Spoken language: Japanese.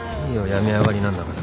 病み上がりなんだから。